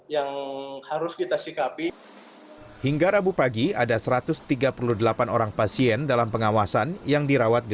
yang harus kita sikapi hingga rabu pagi ada satu ratus tiga puluh delapan orang pasien dalam pengawasan yang dirawat di